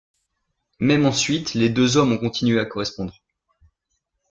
Même ensuite, les deux hommes ont continué à correspondre.